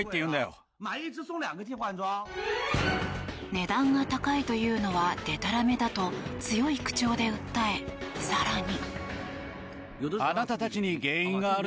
値段が高いというのはでたらめだと強い口調で訴え、更に。